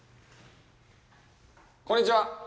こんにちは。